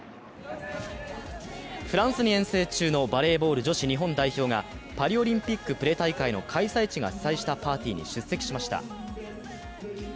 フランスに遠征中のバレーボール日本女子代表がパリオリンピックプレ大会の開催地が主催したパーティーに出席しました。